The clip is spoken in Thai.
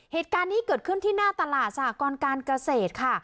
เหตุการณ์นี้เกิดขึ้นที่หน้าตลาดสหกรการเกษตรค่ะ